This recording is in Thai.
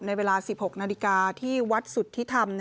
เวลา๑๖นาฬิกาที่วัดสุทธิธรรม